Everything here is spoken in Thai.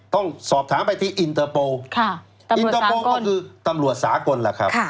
ต้องสอบถามไปที่อินเตอร์โปร์อินเตอร์โปร์ก็คือตำรวจสากลล่ะครับ